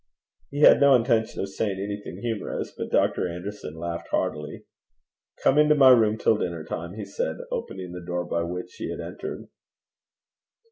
He had no intention of saying anything humorous, but Dr. Anderson laughed heartily. 'Come into my room till dinner time,' he said, opening the door by which he had entered.